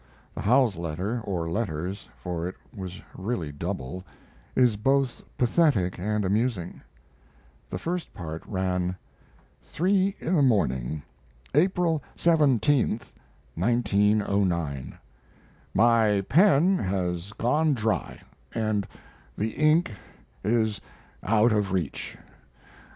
The Howells letter (or letters, for it was really double) is both pathetic and amusing. The first part ran: 3 in the morning, April 17, 1909. My pen has gone dry and the ink is out of reach.